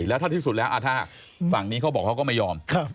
แล้วถ้าที่สุดแล้วถ้าฝั่งนี้เขาบอกเขาก็ไม่ยอม